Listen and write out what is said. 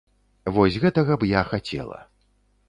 Вось гэтага б я хацела.